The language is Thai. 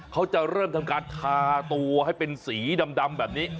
เขาจะเริ่มทำการทาตัวให้เป็นสีดำแบบนี้